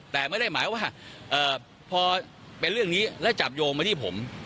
แต่ไม่ได้หมายว่าพอเป็นเรื่องนี้แล้วจับโยงมาที่ผม